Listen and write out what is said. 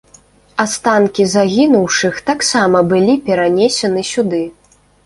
Астанкі загінуўшых таксама былі перанесены сюды.